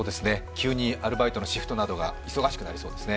急にアルバイトのシフトなどが忙しくなりそうですね。